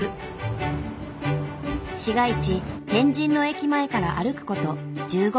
市街地天神の駅前から歩くこと１５分。